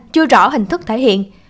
chưa rõ hình thức thể hiện